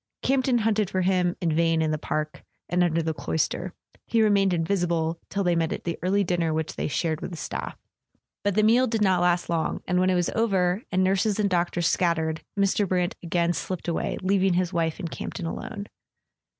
Campton hunted for him in vain in the park, and under the cloister; he remained invisible till they met at the early dinner which they shared with the staff. But the meal did not last long, and when it was over, and nurses and doctors scat¬ tered, Mr. Brant again slipped away, leaving his wife and Campton alone.